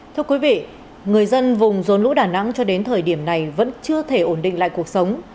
thưa quý vị người dân vùng rốn lũ đà nẵng cho đến thời điểm này vẫn chưa thể ổn định lại cuộc sống